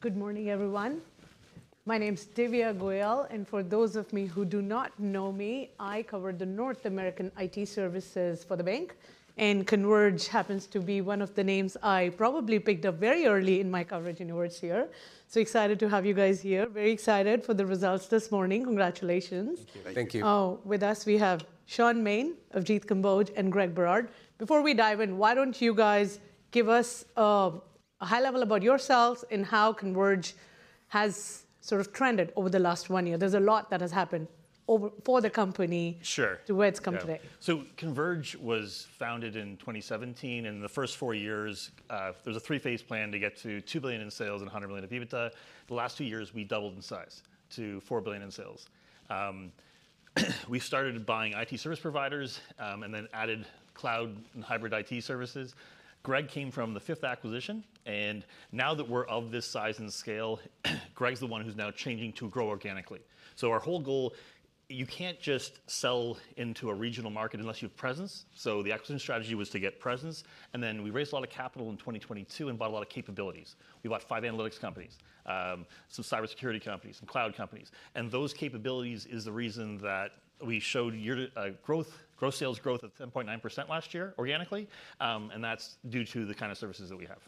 Good morning, everyone. My name's Divya Goyal, and for those of you who do not know me, I cover the North American IT services for the bank, and Converge happens to be one of the names I probably picked up very early in my coverage in towards here. So excited to have you guys here. Very excited for the results this morning. Congratulations! Thank you. Thank you. Oh, with us, we have Shaun Maine, Avjit Kamboj, and Greg Berard. Before we dive in, why don't you guys give us a high level about yourselves and how Converge has sort of trended over the last one year? There's a lot that has happened over—for the company- Sure. -to where it's come today. Yeah. So Converge was founded in 2017, and in the first four years, there was a three-phase plan to get to 2 billion in sales and 100 million in EBITDA. The last two years, we doubled in size to 4 billion in sales. We started buying IT service providers, and then added cloud and hybrid IT services. Greg came from the fifth acquisition, and now that we're of this size and scale, Greg's the one who's now changing to grow organically. So our whole goal... You can't just sell into a regional market unless you have presence. So the acquisition strategy was to get presence, and then we raised a lot of capital in 2022 and bought a lot of capabilities. We bought five analytics companies, some cybersecurity companies, some cloud companies, and those capabilities is the reason that we showed year to, growth, Gross Sales growth of 10.9% last year organically, and that's due to the kind of services that we have.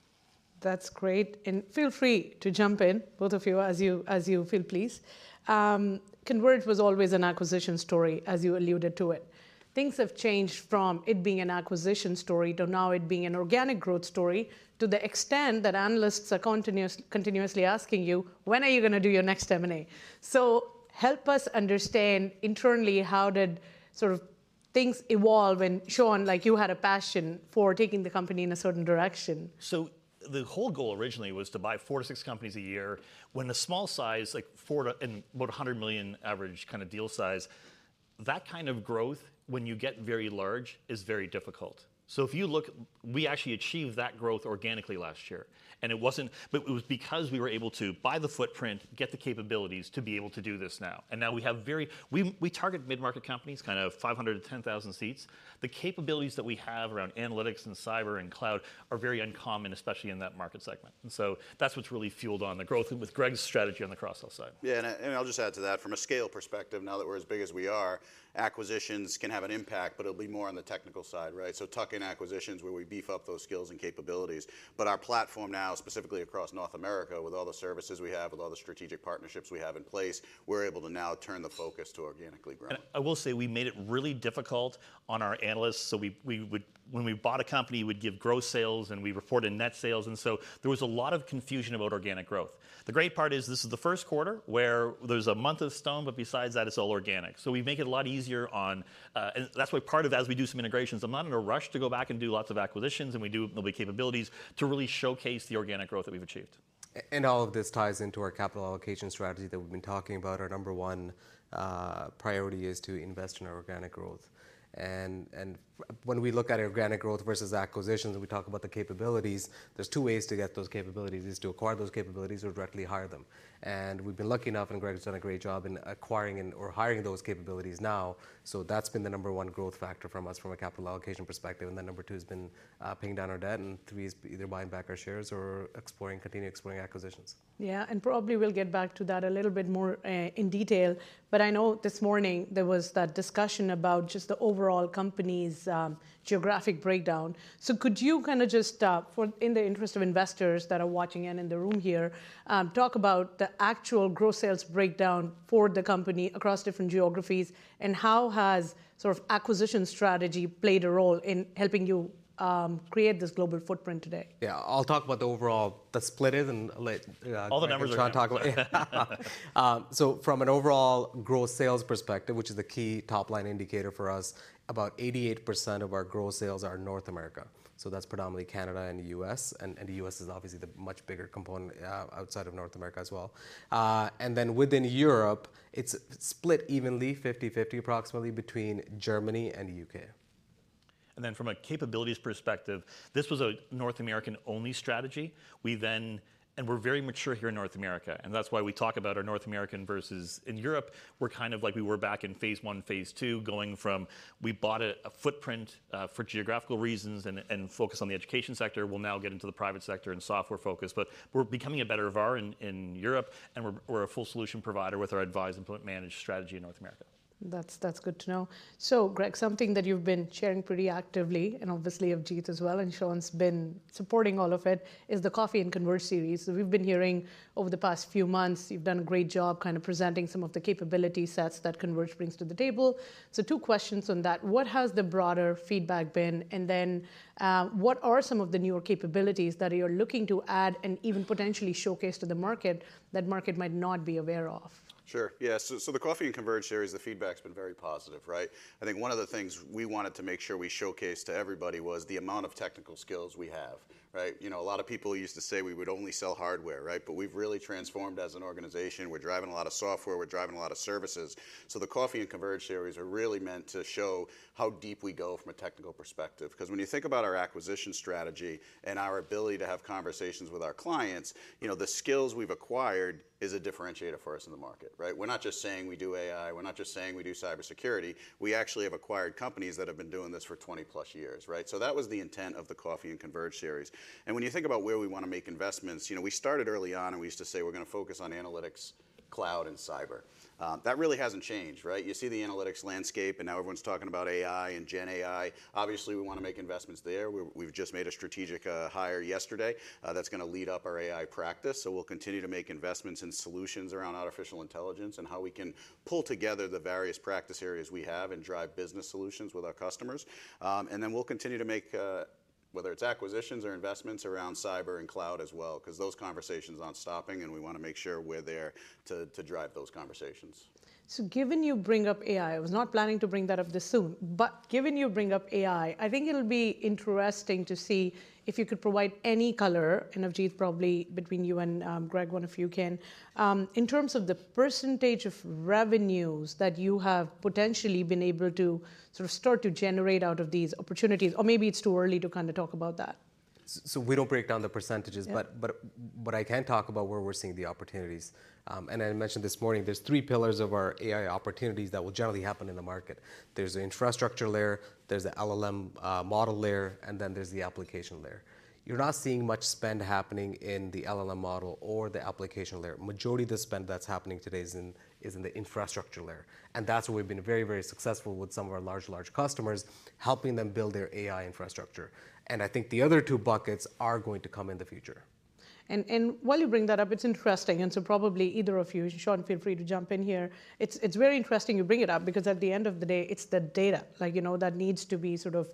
That's great, and feel free to jump in, both of you, as you feel, please. Converge was always an acquisition story, as you alluded to it. Things have changed from it being an acquisition story to now it being an organic growth story, to the extent that analysts are continuously asking you: When are you gonna do your next M&A? So, help us understand internally, how did, sort of, things evolve when, Shaun, like, you had a passion for taking the company in a certain direction. So the whole goal originally was to buy 4-6 companies a year. When a small size, like 4-6 and about 100 million average kind of deal size, that kind of growth, when you get very large, is very difficult. So if you look, we actually achieved that growth organically last year, and it wasn't, but it was because we were able to buy the footprint, get the capabilities to be able to do this now. And now we target mid-market companies, kind of 500-10,000 seats. The capabilities that we have around analytics and cyber and cloud are very uncommon, especially in that market segment. And so that's what's really fueled on the growth and with Greg's strategy on the cross-sell side. Yeah, and, and I'll just add to that, from a scale perspective, now that we're as big as we are, acquisitions can have an impact, but it'll be more on the technical side, right? So tuck-in acquisitions, where we beef up those skills and capabilities. But our platform now, specifically across North America, with all the services we have, with all the strategic partnerships we have in place, we're able to now turn the focus to organically grow. And I will say, we made it really difficult on our analysts. So we would—when we bought a company, we'd give gross sales, and we reported net sales, and so there was a lot of confusion about organic growth. The great part is, this is the first quarter where there's a month of Stone, but besides that, it's all organic. So we make it a lot easier on. And that's why part of that is we do some integrations. I'm not in a rush to go back and do lots of acquisitions, and we do novel capabilities to really showcase the organic growth that we've achieved. And all of this ties into our capital allocation strategy that we've been talking about. Our number one priority is to invest in our organic growth. And when we look at organic growth versus acquisitions, and we talk about the capabilities, there's two ways to get those capabilities: to acquire those capabilities or directly hire them. And we've been lucky enough, and Greg has done a great job in acquiring or hiring those capabilities now. So that's been the number one growth factor from us, from a capital allocation perspective. And then number two has been paying down our debt, and three is either buying back our shares or exploring, continuing exploring acquisitions. Yeah, and probably we'll get back to that a little bit more in detail. But I know this morning there was that discussion about just the overall company's geographic breakdown. So could you kinda just in the interest of investors that are watching and in the room here talk about the actual Gross Sales breakdown for the company across different geographies, and how has sort of acquisition strategy played a role in helping you create this global footprint today? Yeah. I'll talk about the overall, the split it and let, All the numbers are there.... So from an overall Gross Sales perspective, which is the key top-line indicator for us, about 88% of our Gross Sales are North America. So that's predominantly Canada and the U.S., and, and the U.S. is obviously the much bigger component, outside of North America as well. And then within Europe, it's split evenly, 50/50, approximately, between Germany and the U.K. From a capabilities perspective, this was a North American-only strategy. We're very mature here in North America, and that's why we talk about our North American versus... In Europe, we're kind of like we were back in phase one, phase two, going from we bought a footprint for geographical reasons and focused on the education sector. We'll now get into the private sector and software focus, but we're becoming a better VAR in Europe, and we're a full solution provider with our advise and manage strategy in North America. That's, that's good to know. So Greg, something that you've been sharing pretty actively, and obviously Avjit as well, and Shaun's been supporting all of it, is the Coffee with Converge series. So we've been hearing over the past few months, you've done a great job kind of presenting some of the capability sets that Converge brings to the table. So two questions on that: What has the broader feedback been? And then, what are some of the newer capabilities that you're looking to add and even potentially showcase to the market, that market might not be aware of? Sure. Yeah. So, the Coffee with Converge series, the feedback's been very positive, right? I think one of the things we wanted to make sure we showcased to everybody was the amount of technical skills we have, right? You know, a lot of people used to say we would only sell hardware, right? But we've really transformed as an organization. We're driving a lot of software, we're driving a lot of services. So the Coffee with Converge series are really meant to show how deep we go from a technical perspective. 'Cause when you think about our acquisition strategy and our ability to have conversations with our clients, you know, the skills we've acquired is a differentiator for us in the market, right? We're not just saying we do AI, we're not just saying we do cybersecurity. We actually have acquired companies that have been doing this for 20-plus years, right? So that was the intent of the Coffee with Converge series. And when you think about where we wanna make investments, you know, we started early on, and we used to say: We're gonna focus on analytics, cloud, and cyber. That really hasn't changed, right? You see the analytics landscape, and now everyone's talking about AI and GenAI. Obviously, we wanna make investments there. We, we've just made a strategic hire yesterday, that's gonna lead up our AI practice. So we'll continue to make investments in solutions around artificial intelligence and how we can pull together the various practice areas we have and drive business solutions with our customers. And then we'll continue to make, whether it's acquisitions or investments around cyber and cloud as well, 'cause those conversations aren't stopping, and we wanna make sure we're there to, to drive those conversations. So given you bring up AI, I was not planning to bring that up this soon, but given you bring up AI, I think it'll be interesting to see if you could provide any color, and Avjit, probably between you and, Greg, one of you can, in terms of the percentage of revenues that you have potentially been able to sort of start to generate out of these opportunities, or maybe it's too early to kinda talk about that? ... so we don't break down the percentages- Yeah. But I can talk about where we're seeing the opportunities. And I mentioned this morning, there's three pillars of our AI opportunities that will generally happen in the market. There's the infrastructure layer, there's the LLM model layer, and then there's the application layer. You're not seeing much spend happening in the LLM model or the application layer. Majority of the spend that's happening today is in the infrastructure layer, and that's where we've been very, very successful with some of our large, large customers, helping them build their AI infrastructure. And I think the other two buckets are going to come in the future. While you bring that up, it's interesting, and so probably either of you, Sean, feel free to jump in here. It's very interesting you bring it up, because at the end of the day, it's the data, like, you know, that needs to be sort of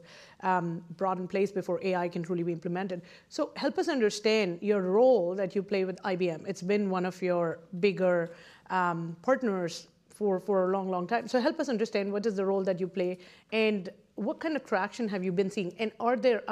brought in place before AI can truly be implemented. So help us understand your role that you play with IBM. It's been one of your bigger partners for a long, long time. So help us understand what is the role that you play, and what kind of traction have you been seeing, and are there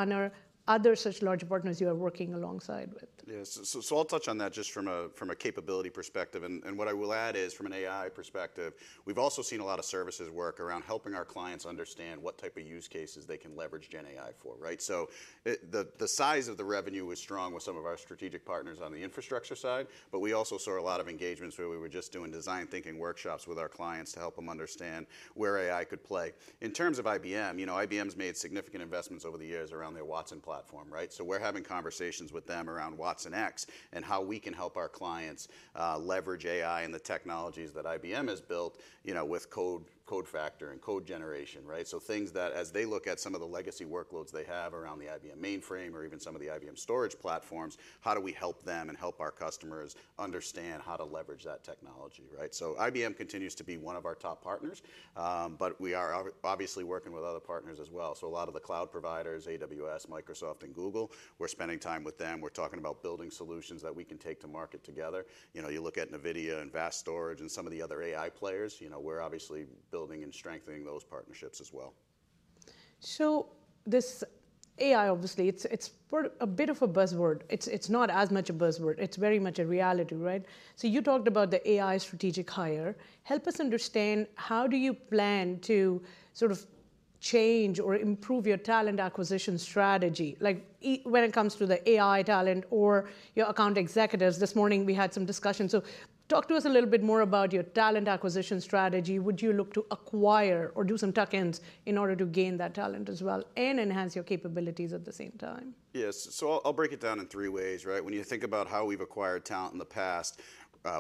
other such large partners you are working alongside with? Yeah, so I'll touch on that just from a capability perspective. And what I will add is, from an AI perspective, we've also seen a lot of services work around helping our clients understand what type of use cases they can leverage GenAI for, right? So, the size of the revenue was strong with some of our strategic partners on the infrastructure side, but we also saw a lot of engagements where we were just doing design thinking workshops with our clients to help them understand where AI could play. In terms of IBM, you know, IBM's made significant investments over the years around their Watson platform, right? So we're having conversations with them around watsonx, and how we can help our clients leverage AI and the technologies that IBM has built, you know, with code refactoring and code generation, right? So things that as they look at some of the legacy workloads they have around the IBM mainframe or even some of the IBM storage platforms, how do we help them and help our customers understand how to leverage that technology, right? So IBM continues to be one of our top partners, but we are obviously working with other partners as well. So a lot of the cloud providers, AWS, Microsoft, and Google, we're spending time with them. We're talking about building solutions that we can take to market together. You know, you look at NVIDIA and VAST Data and some of the other AI players, you know, we're obviously building and strengthening those partnerships as well. So this AI, obviously, it's a bit of a buzzword. It's not as much a buzzword, it's very much a reality, right? So you talked about the AI strategic hire. Help us understand, how do you plan to sort of change or improve your talent acquisition strategy? Like, when it comes to the AI talent or your account executives. This morning, we had some discussions, so talk to us a little bit more about your talent acquisition strategy. Would you look to acquire or do some tuck-ins in order to gain that talent as well, and enhance your capabilities at the same time? Yes. So I'll break it down in 3 ways, right? When you think about how we've acquired talent in the past,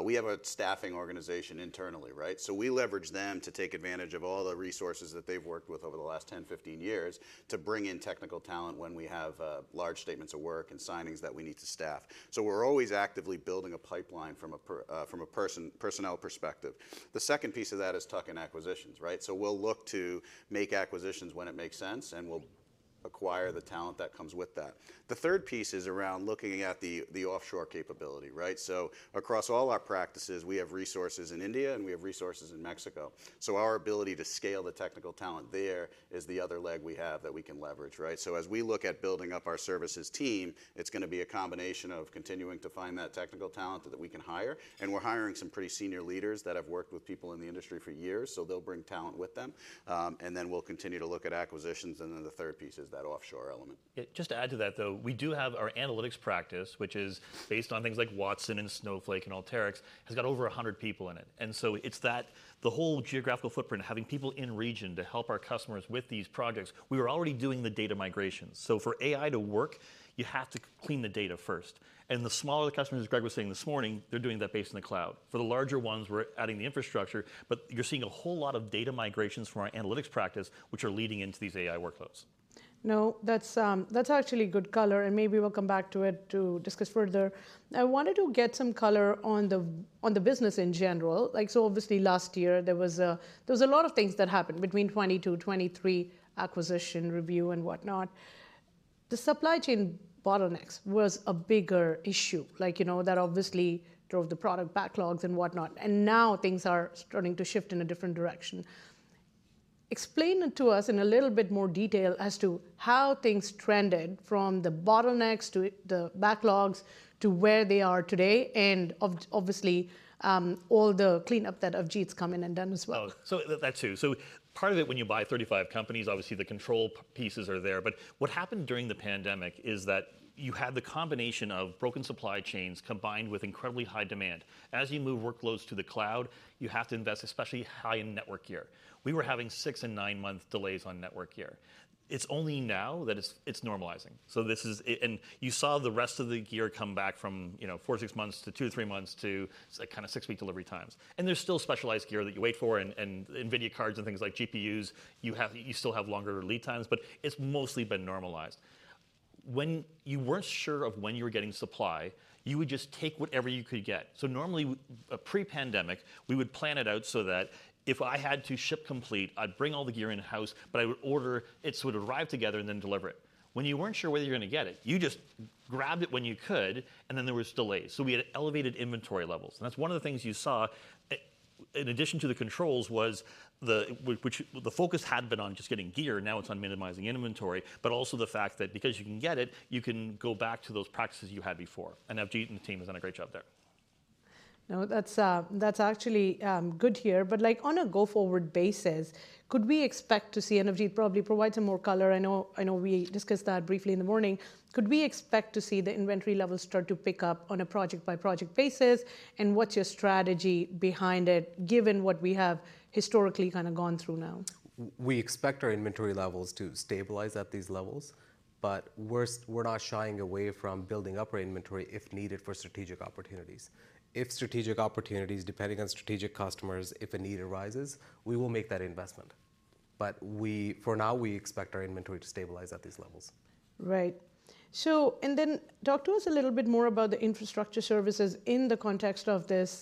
we have a staffing organization internally, right? So we leverage them to take advantage of all the resources that they've worked with over the last 10, 15 years to bring in technical talent when we have large statements of work and signings that we need to staff. So we're always actively building a pipeline from a personnel perspective. The second piece of that is tuck-in acquisitions, right? So we'll look to make acquisitions when it makes sense, and we'll acquire the talent that comes with that. The third piece is around looking at the offshore capability, right? So across all our practices, we have resources in India, and we have resources in Mexico. So our ability to scale the technical talent there is the other leg we have that we can leverage, right? So as we look at building up our services team, it's gonna be a combination of continuing to find that technical talent that we can hire, and we're hiring some pretty senior leaders that have worked with people in the industry for years, so they'll bring talent with them. And then we'll continue to look at acquisitions, and then the third piece is that offshore element. Yeah, just to add to that, though, we do have our analytics practice, which is based on things like Watson and Snowflake and Alteryx, has got over 100 people in it. And so it's that, the whole geographical footprint, having people in region to help our customers with these projects. We were already doing the data migration, so for AI to work, you have to clean the data first. And the smaller the customer, as Greg was saying this morning, they're doing that based in the cloud. For the larger ones, we're adding the infrastructure, but you're seeing a whole lot of data migrations from our analytics practice, which are leading into these AI workloads. No, that's, that's actually good color, and maybe we'll come back to it to discuss further. I wanted to get some color on the, on the business in general. Like, so obviously last year, there was a lot of things that happened between 2022, 2023, acquisition review and whatnot. The supply chain bottlenecks was a bigger issue, like, you know, that obviously drove the product backlogs and whatnot, and now things are starting to shift in a different direction. Explain it to us in a little bit more detail as to how things trended from the bottlenecks, to the backlogs, to where they are today, and obviously, all the cleanup that Avjit's come in and done as well. Oh, so that, too. So part of it, when you buy 35 companies, obviously the control pieces are there. But what happened during the pandemic is that you had the combination of broken supply chains combined with incredibly high demand. As you move workloads to the cloud, you have to invest, especially high in network gear. We were having 6- and 9-month delays on network gear. It's only now that it's normalizing. So this is... And you saw the rest of the gear come back from, you know, 4-6 months, to 2-3 months, to kind of 6-week delivery times. And there's still specialized gear that you wait for, and NVIDIA cards and things like GPUs, you still have longer lead times, but it's mostly been normalized. When you weren't sure of when you were getting supply, you would just take whatever you could get. So normally, pre-pandemic, we would plan it out so that if I had to ship complete, I'd bring all the gear in-house, but I would order it so it would arrive together and then deliver it. When you weren't sure whether you're gonna get it, you just grabbed it when you could, and then there was delays, so we had elevated inventory levels. And that's one of the things you saw, in addition to the controls, was the focus had been on just getting gear, now it's on minimizing inventory. But also the fact that because you can get it, you can go back to those practices you had before, and Avjit and the team has done a great job there.... No, that's, that's actually, good to hear. But, like, on a go-forward basis, could we expect to see, and if you'd probably provide some more color, I know, I know we discussed that briefly in the morning. Could we expect to see the inventory levels start to pick up on a project-by-project basis? And what's your strategy behind it, given what we have historically kind of gone through now? We expect our inventory levels to stabilize at these levels, but we're not shying away from building up our inventory if needed for strategic opportunities. If strategic opportunities, depending on strategic customers, if a need arises, we will make that investment. But we, for now, we expect our inventory to stabilize at these levels. Right. So and then talk to us a little bit more about the infrastructure services in the context of this,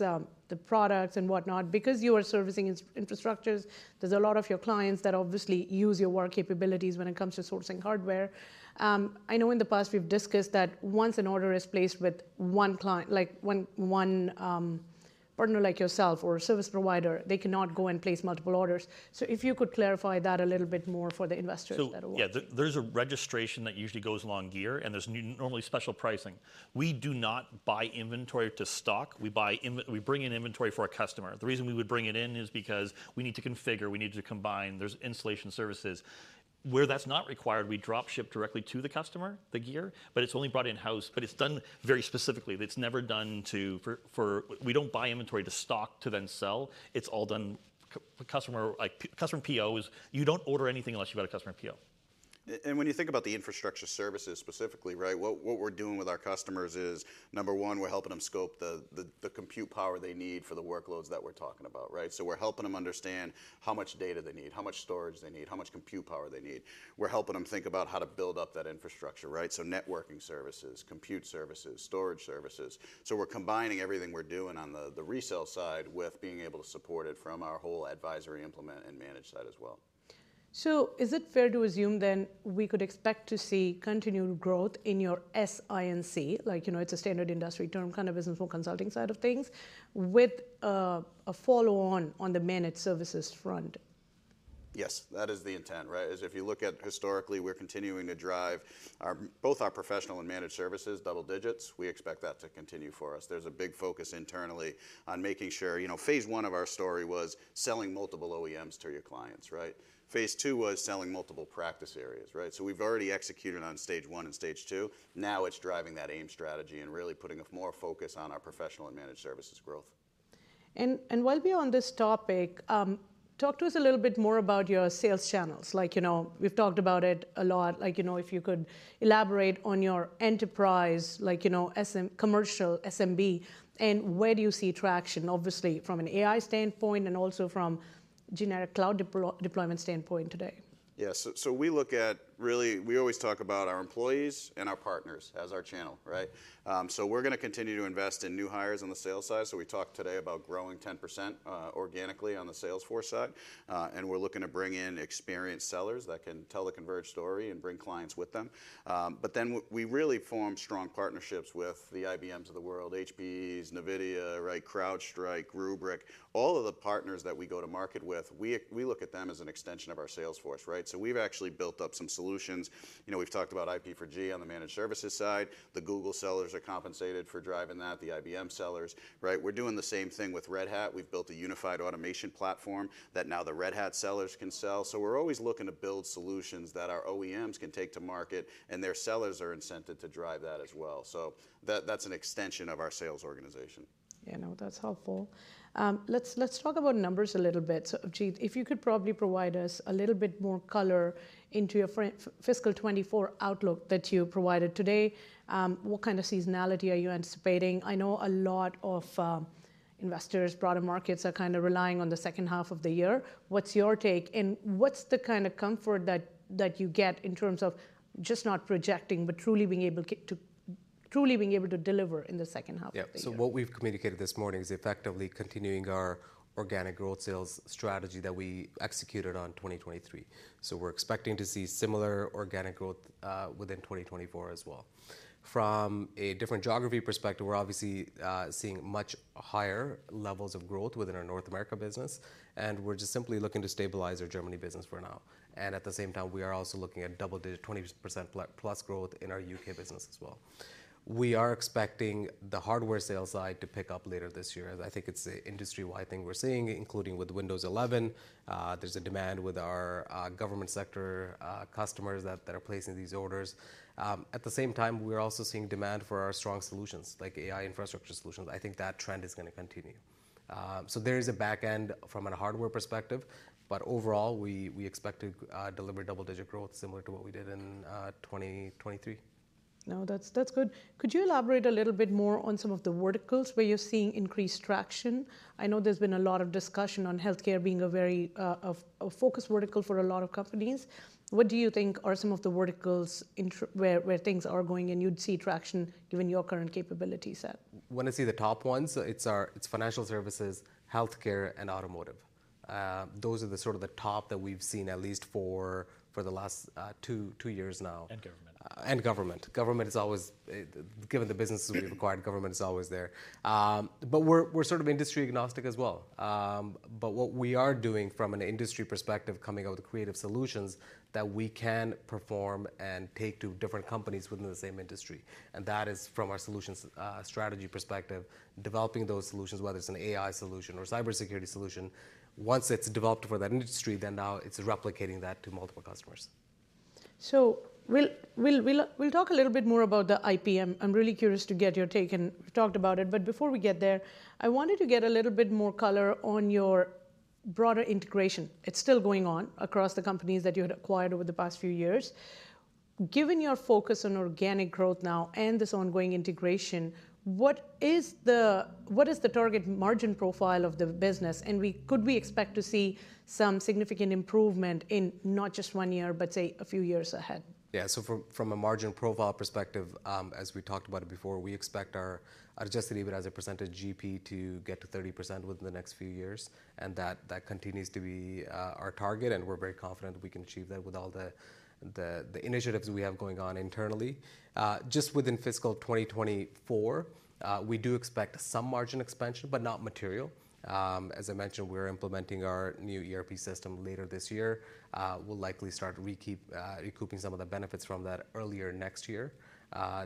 the products and whatnot. Because you are servicing infrastructures, there's a lot of your clients that obviously use your work capabilities when it comes to sourcing hardware. I know in the past we've discussed that once an order is placed with one client... like when one partner like yourself or a service provider, they cannot go and place multiple orders. So if you could clarify that a little bit more for the investors that will- So, yeah, there's a registration that usually goes along gear, and there's normally special pricing. We do not buy inventory to stock. We buy inventory for our customer. The reason we would bring it in is because we need to configure, we need to combine, there's installation services. Where that's not required, we drop ship directly to the customer, the gear, but it's only brought in-house, but it's done very specifically. It's never done to, for... We don't buy inventory to stock to then sell. It's all done customer, like, customer POs. You don't order anything unless you've got a customer PO. When you think about the infrastructure services specifically, right? What we're doing with our customers is, number one, we're helping them scope the compute power they need for the workloads that we're talking about, right? So we're helping them understand how much data they need, how much storage they need, how much compute power they need. We're helping them think about how to build up that infrastructure, right? So networking services, compute services, storage services. So we're combining everything we're doing on the resale side with being able to support it from our whole advisory, implement, and manage side as well. So is it fair to assume then, we could expect to see continued growth in your SI&C? Like, you know, it's a standard industry term, kind of business for consulting side of things, with, a follow on, on the managed services front. Yes, that is the intent, right? If you look at historically, we're continuing to drive our both our professional and managed services double digits. We expect that to continue for us. There's a big focus internally on making sure... You know, phase one of our story was selling multiple OEMs to your clients, right? Phase two was selling multiple practice areas, right? So we've already executed on stage one and stage two. Now, it's driving that AIM strategy and really putting a more focus on our professional and managed services growth. While we're on this topic, talk to us a little bit more about your sales channels. Like, you know, we've talked about it a lot. Like, you know, if you could elaborate on your enterprise, like, you know, SMB commercial SMB, and where do you see traction, obviously, from an AI standpoint and also from generic cloud deployment standpoint today? Yeah, so we look at really, we always talk about our employees and our partners as our channel, right? So we're gonna continue to invest in new hires on the sales side. So we talked today about growing 10% organically on the sales force side. And we're looking to bring in experienced sellers that can tell the Converge story and bring clients with them. But then we really form strong partnerships with the IBMs of the world, HPE, NVIDIA, right, CrowdStrike, Rubrik. All of the partners that we go to market with, we look at them as an extension of our sales force, right? So we've actually built up some solutions. You know, we've talked about IP4G on the managed services side. The Google sellers are compensated for driving that, the IBM sellers, right? We're doing the same thing with Red Hat. We've built a unified automation platform that now the Red Hat sellers can sell. So we're always looking to build solutions that our OEMs can take to market, and their sellers are incented to drive that as well. So that, that's an extension of our sales organization. Yeah, no, that's helpful. Let's talk about numbers a little bit. So Avjit, if you could probably provide us a little bit more color into your fiscal 2024 outlook that you provided today. What kind of seasonality are you anticipating? I know a lot of investors, broader markets, are kind of relying on the second half of the year. What's your take, and what's the kind of comfort that you get in terms of just not projecting, but truly being able to deliver in the second half of the year? Yeah. So what we've communicated this morning is effectively continuing our organic growth sales strategy that we executed on 2023. So we're expecting to see similar organic growth within 2024 as well. From a different geography perspective, we're obviously seeing much higher levels of growth within our North America business, and we're just simply looking to stabilize our Germany business for now. And at the same time, we are also looking at double-digit, 20%+ growth in our UK business as well. We are expecting the hardware sales side to pick up later this year. I think it's an industry-wide thing we're seeing, including with Windows 11. There's a demand with our government sector customers that are placing these orders. At the same time, we're also seeing demand for our strong solutions, like AI infrastructure solutions. I think that trend is gonna continue. So there is a back end from a hardware perspective, but overall, we expect to deliver double-digit growth similar to what we did in 2023. No, that's, that's good. Could you elaborate a little bit more on some of the verticals where you're seeing increased traction? I know there's been a lot of discussion on healthcare being a very focused vertical for a lot of companies. What do you think are some of the verticals where things are going, and you'd see traction given your current capability set? When I see the top ones, it's financial services, healthcare, and automotive. Those are the sort of the top that we've seen, at least for the last two years now. And government. Government. Government is always, given the businesses we've acquired, government is always there. But we're, we're sort of industry agnostic as well. But what we are doing from an industry perspective, coming up with creative solutions that we can perform and take to different companies within the same industry, and that is from our solutions strategy perspective, developing those solutions, whether it's an AI solution or cybersecurity solution. Once it's developed for that industry, then now it's replicating that to multiple customers.... So we'll talk a little bit more about the IP. I'm really curious to get your take, and we've talked about it, but before we get there, I wanted to get a little bit more color on your broader integration. It's still going on across the companies that you had acquired over the past few years. Given your focus on organic growth now and this ongoing integration, what is the target margin profile of the business? And could we expect to see some significant improvement in not just one year, but say, a few years ahead? Yeah. So from a margin profile perspective, as we talked about it before, we expect our adjusted EBITDA as a percentage GP to get to 30% within the next few years, and that continues to be our target, and we're very confident we can achieve that with all the initiatives we have going on internally. Just within fiscal 2024, we do expect some margin expansion, but not material. As I mentioned, we're implementing our new ERP system later this year. We'll likely start recouping some of the benefits from that earlier next year.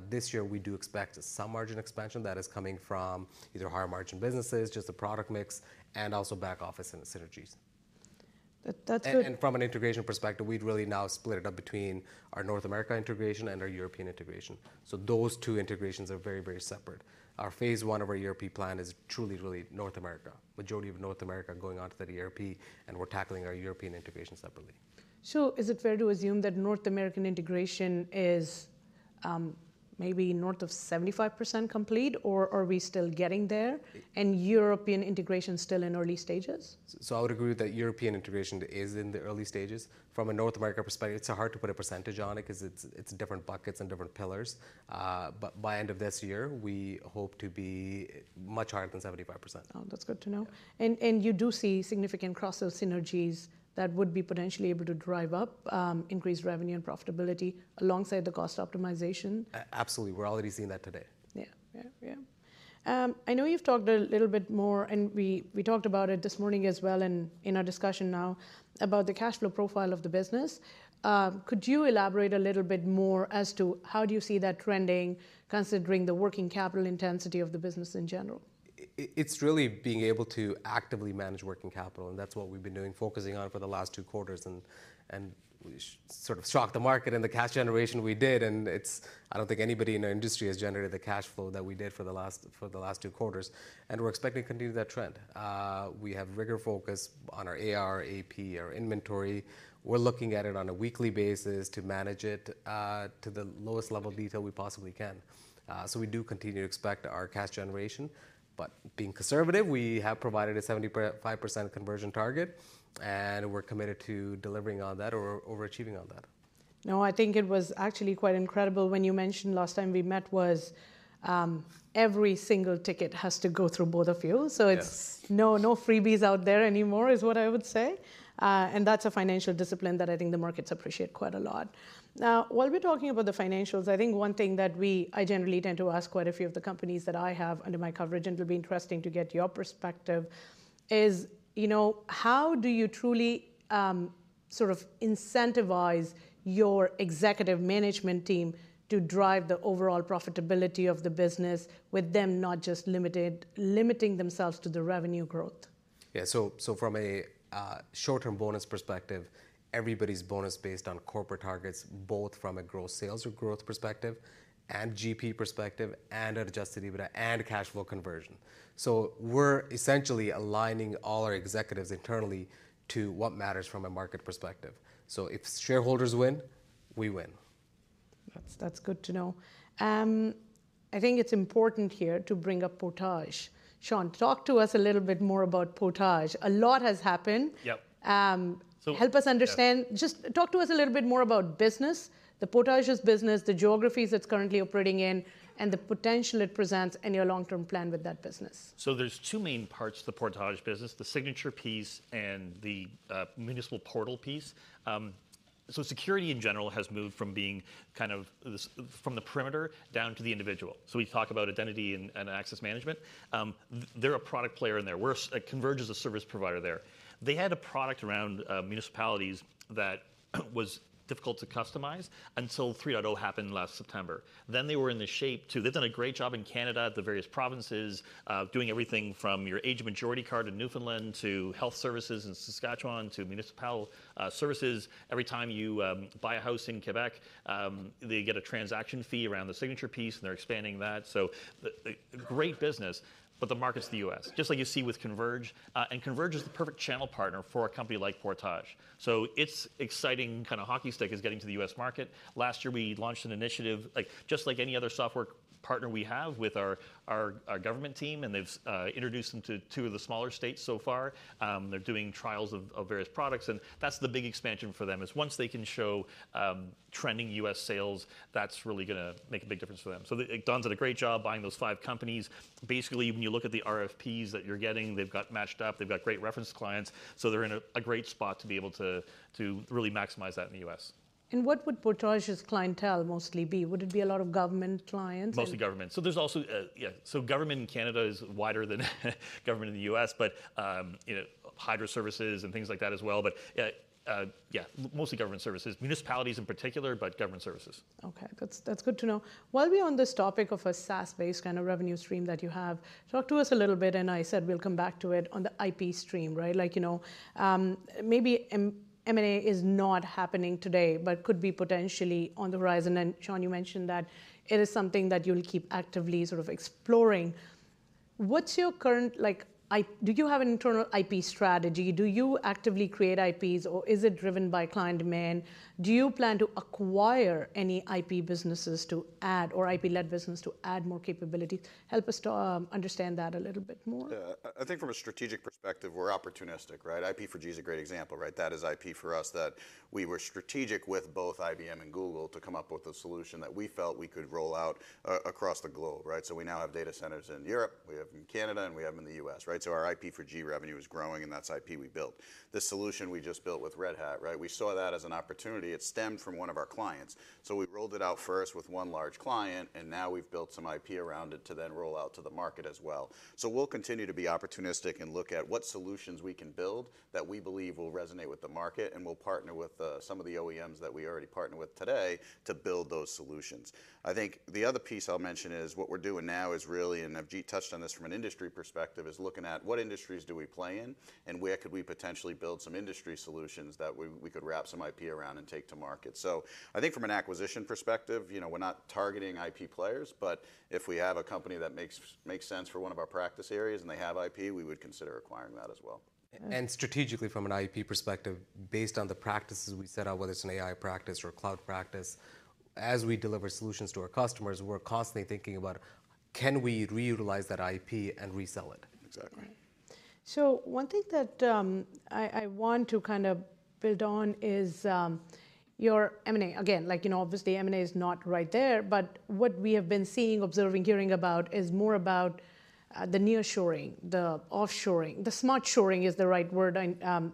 This year, we do expect some margin expansion that is coming from either higher margin businesses, just the product mix, and also back office and the synergies. That, that's good- And, and from an integration perspective, we'd really now split it up between our North America integration and our European integration. So those two integrations are very, very separate. Our phase one of our ERP plan is truly, really North America. Majority of North America are going onto that ERP, and we're tackling our European integration separately. Is it fair to assume that North American integration is, maybe north of 75% complete, or are we still getting there, and European integration is still in early stages? So I would agree that European integration is in the early stages. From a North America perspective, it's so hard to put a percentage on it 'cause it's different buckets and different pillars. But by end of this year, we hope to be much higher than 75%. Oh, that's good to know. Yeah. You do see significant cross-sell synergies that would be potentially able to drive up increased revenue and profitability alongside the cost optimization? Absolutely. We're already seeing that today. Yeah. Yeah, yeah. I know you've talked a little bit more, and we, we talked about it this morning as well and in our discussion now, about the cash flow profile of the business. Could you elaborate a little bit more as to how do you see that trending, considering the working capital intensity of the business in general? It's really being able to actively manage working capital, and that's what we've been doing, focusing on for the last two quarters, and sort of shocked the market and the cash generation we did, and it's I don't think anybody in our industry has generated the cash flow that we did for the last, for the last two quarters, and we're expecting to continue that trend. We have rigor focus on our AR, AP, our inventory. We're looking at it on a weekly basis to manage it, to the lowest level of detail we possibly can. So we do continue to expect our cash generation, but being conservative, we have provided a 75% conversion target, and we're committed to delivering on that or overachieving on that. No, I think it was actually quite incredible when you mentioned last time we met was, every single ticket has to go through both of you. Yeah. So it's no, no freebies out there anymore, is what I would say. And that's a financial discipline that I think the markets appreciate quite a lot. Now, while we're talking about the financials, I think one thing that we-- I generally tend to ask quite a few of the companies that I have under my coverage, and it'll be interesting to get your perspective, is, you know, how do you truly, sort of incentivize your executive management team to drive the overall profitability of the business with them not just limited, limiting themselves to the revenue growth? Yeah, so from a short-term bonus perspective, everybody's bonus is based on corporate targets, both from a gross sales or growth perspective, and GP perspective, and adjusted EBITDA, and cash flow conversion. So we're essentially aligning all our executives internally to what matters from a market perspective. So if shareholders win, we win. That's, that's good to know. I think it's important here to bring up Portage. Sean, talk to us a little bit more about Portage. A lot has happened. Yep. Help us understand- Yeah. Just talk to us a little bit more about business, the Portage's business, the geographies it's currently operating in, and the potential it presents in your long-term plan with that business. So there's two main parts to the Portage business, the signature piece and the municipal portal piece. So security in general has moved from being kind of this, from the perimeter down to the individual. So we talk about identity and access management. They're a product player in there. Converge is a service provider there. They had a product around municipalities that was difficult to customize until 3.0 happened last September. Then they were in the shape to... They've done a great job in Canada, at the various provinces, doing everything from your age of majority card in Newfoundland, to health services in Saskatchewan, to municipal services. Every time you buy a house in Quebec, they get a transaction fee around the signature piece, and they're expanding that. So the great business, but the market's the U.S., just like you see with Converge. And Converge is the perfect channel partner for a company like Portage. So it's exciting, kind of hockey stick is getting to the U.S. market. Last year, we launched an initiative, just like any other software partner we have with our government team, and they've introduced them to two of the smaller states so far. They're doing trials of various products, and that's the big expansion for them, is once they can show trending U.S. sales, that's really gonna make a big difference for them. So Don's done a great job buying those five companies. Basically, when you look at the RFPs that you're getting, they've got matched up, they've got great reference clients, so they're in a great spot to be able to to really maximize that in the U.S. What would Portage's clientele mostly be? Would it be a lot of government clients and- Mostly government. So there's also... Yeah, so government in Canada is wider than government in the US, but, you know, hydro services and things like that as well. But, yeah, mostly government services. Municipalities in particular, but government services. Okay, good. That's good to know. While we're on this topic of a SaaS-based kind of revenue stream that you have, talk to us a little bit, and I said we'll come back to it, on the IP stream, right? Like, you know, maybe M&A is not happening today, but could be potentially on the horizon. And Sean, you mentioned that it is something that you'll keep actively sort of exploring. What's your current, like, IP, do you have an internal IP strategy? Do you actively create IPs, or is it driven by client demand? Do you plan to acquire any IP businesses to add, or IP-led business to add more capability? Help us to understand that a little bit more. Yeah. I, I think from a strategic perspective, we're opportunistic, right? IP4G is a great example, right? That is IP for us, that we were strategic with both IBM and Google to come up with a solution that we felt we could roll out across the globe, right? So we now have data centers in Europe, we have them in Canada, and we have them in the U.S., right? So our IP4G revenue is growing, and that's IP we built. The solution we just built with Red Hat, right? We saw that as an opportunity. It stemmed from one of our clients. So we rolled it out first with one large client, and now we've built some IP around it to then roll out to the market as well. So we'll continue to be opportunistic and look at what solutions we can build that we believe will resonate with the market, and we'll partner with some of the OEMs that we already partner with today to build those solutions. I think the other piece I'll mention is, what we're doing now is really, and Avjit touched on this from an industry perspective, is looking at what industries do we play in, and where could we potentially build some industry solutions that we could wrap some IP around and take to market? So I think from an acquisition perspective, you know, we're not targeting IP players, but if we have a company that makes sense for one of our practice areas and they have IP, we would consider acquiring that as well. Strategically, from an IP perspective, based on the practices we set out, whether it's an AI practice or a cloud practice, as we deliver solutions to our customers, we're constantly thinking about: Can we reutilize that IP and resell it? Exactly. So one thing that I want to kind of build on is your M&A. Again, like, you know, obviously M&A is not right there, but what we have been seeing, observing, hearing about, is more about the nearshoring, the offshoring. The smartshoring is the right word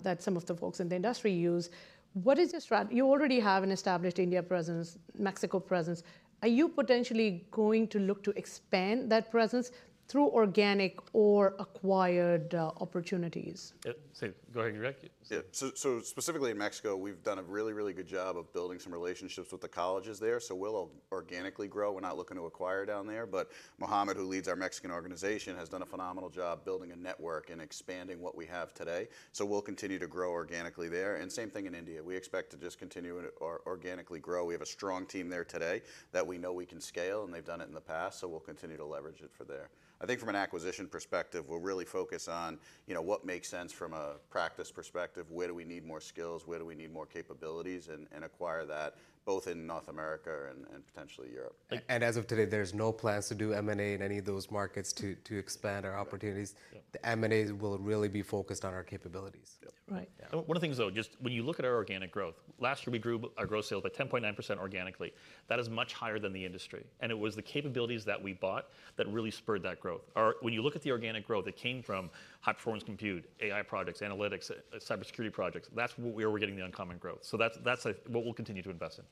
that some of the folks in the industry use. What is your strategy? You already have an established India presence, Mexico presence. Are you potentially going to look to expand that presence through organic or acquired opportunities? Yeah. So go ahead, Rick. Yeah. So, specifically in Mexico, we've done a really, really good job of building some relationships with the colleges there, so we'll organically grow. We're not looking to acquire down there, but Mouad, who leads our Mexican organization, has done a phenomenal job building a network and expanding what we have today. So we'll continue to grow organically there. And same thing in India, we expect to just continue organically grow. We have a strong team there today that we know we can scale, and they've done it in the past, so we'll continue to leverage it for there. I think from an acquisition perspective, we're really focused on, you know, what makes sense from a practice perspective, where do we need more skills, where do we need more capabilities, and acquire that, both in North America and potentially Europe. As of today, there's no plans to do M&A in any of those markets to expand our opportunities. Yeah. The M&A will really be focused on our capabilities. Yep. Right. One of the things, though, just when you look at our organic growth, last year we grew our gross sales by 10.9% organically. That is much higher than the industry, and it was the capabilities that we bought that really spurred that growth. When you look at the organic growth that came from platforms, compute, AI products, analytics, cybersecurity projects, that's where we're getting the uncommon growth. So that's what we'll continue to invest in.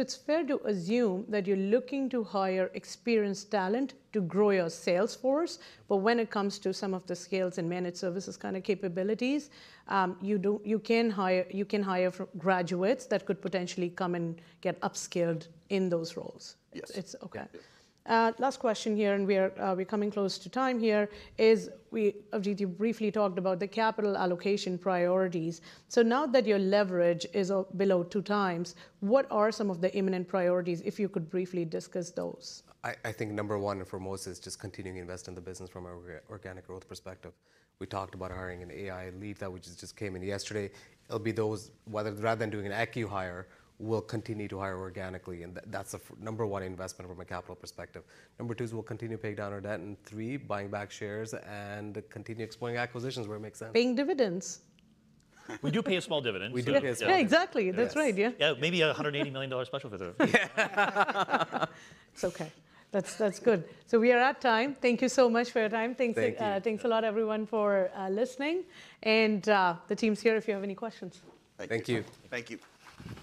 It's fair to assume that you're looking to hire experienced talent to grow your sales force, but when it comes to some of the skills and managed services kind of capabilities, you can hire, you can hire from graduates that could potentially come and get upskilled in those roles. Yes. It's... Okay. Yeah. Last question here, and we are, we're coming close to time here, is Avjit, you briefly talked about the capital allocation priorities. So now that your leverage is below 2x, what are some of the imminent priorities, if you could briefly discuss those? I think number one for most is just continuing to invest in the business from an organic growth perspective. We talked about hiring an AI lead that which has just came in yesterday. It'll be those, whether rather than doing an acqui-hire, we'll continue to hire organically, and that's the number one investment from a capital perspective. Number two is we'll continue to pay down our debt, and three, buying back shares and continue exploring acquisitions where it makes sense. Paying dividends. We do pay a small dividend. We do pay a small- Yeah, exactly. Yes. That's right, yeah. Yeah, maybe 180 million dollar special dividend. It's okay. That's, that's good. We are at time. Thank you so much for your time. Thank you. Thanks, thanks a lot, everyone, for listening. The team's here if you have any questions. Thank you. Thank you. Thank you.